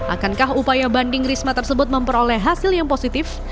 akankah upaya banding risma tersebut memperoleh hasil yang positif